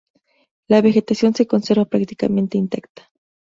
La vegetación se conserva prácticamente intacta.